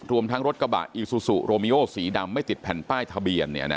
รวมทั้งรถกระบะอีซูซูโรมิโอสีดำไม่ติดแผ่นป้ายทะเบียน